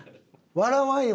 笑わんよ